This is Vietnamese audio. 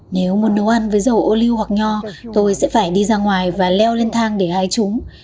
nếu muốn nấu ăn với dầu ô liu hoặc nho tôi sẽ phải đi ra ngoài và leo lên thang để hai chúng